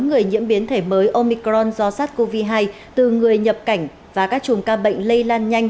người nhiễm biến thể mới omicron do sars cov hai từ người nhập cảnh và các chùm ca bệnh lây lan nhanh